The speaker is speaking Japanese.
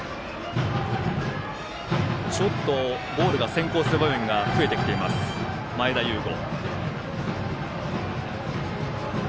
ボールが先行する場面が増えてきている前田悠伍。